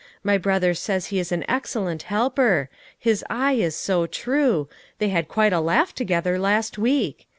My brother says he is an excellent helper ; his eye is.so true ; they had quite a laugh together, last week.